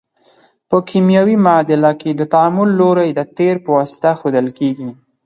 په کیمیاوي معادله کې د تعامل لوری د تیر په واسطه ښودل کیږي.